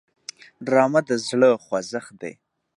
ډرامه د زړه خوځښت دی